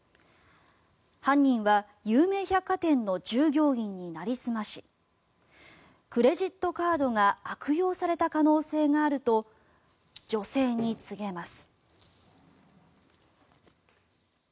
犯人は有名百貨店の従業員になりすましクレジットカードが悪用された可能性があると女性に告げます。